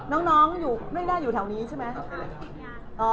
อ๋อเดี๋ยวน้องไม่ได้อยู่แถวนี้ใช่ไหม